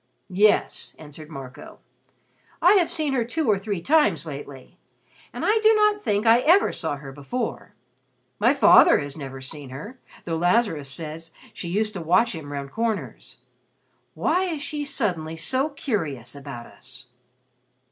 "Yes," answered Marco, "I have seen her two or three times lately, and I do not think I ever saw her before. My father has never seen her, though Lazarus says she used to watch him round corners. Why is she suddenly so curious about us?"